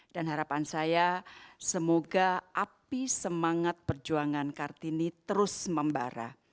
dan harapan saya semoga api semangat perjuangan kartini terus membara